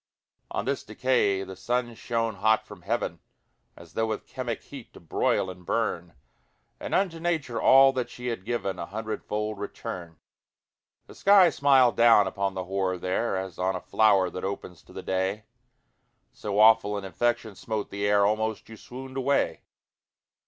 On this decay the sun shone hot from heaven As though with chemic heat to broil and burn, And unto Nature all that she had given A hundredfold return. The sky smiled down upon the horror there As on a flower that opens to the day; So awful an infection smote the air, Almost you swooned away.